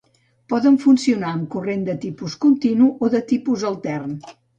Poden funcionar amb corrent de tipus continu o de tipus altern.